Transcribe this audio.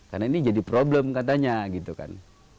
karena ini jadi problem katanya gitu kan